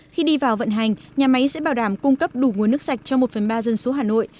khi đi vào vận hành nhà máy sẽ bảo đảm cung cấp đủ nguồn nước sạch cho một phần ba dân số hà nội